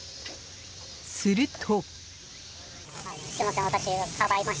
すると。